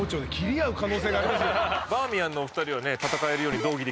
これバーミヤンのお二人はね